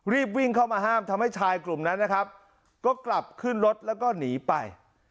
รีบวิ่งเข้ามาห้ามทำให้ชายกลุ่มนั้นนะครับก็กลับขึ้นรถแล้วก็หนีไป